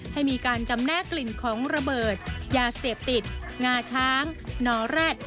ให้มีการจำแนกกลิ่นของระเบิดยาเสพติดงาช้างนอแร็ด